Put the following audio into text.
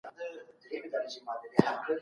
په ټولنه کي باید د مشرانو درناوی هېر نه سي.